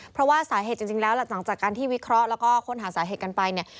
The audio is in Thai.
เพราะว่าสาเหตุจริงแล้วหลังจากการที่วิเคราะห์แล้วก็ค้นหาสาเหตุกันไปเนี่ย